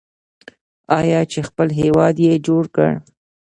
آیا چې خپل هیواد یې جوړ کړ؟